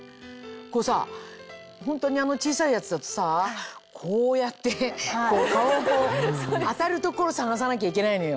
これさホントに小さいやつだとさこうやって顔をこう当たる所探さなきゃいけないのよ。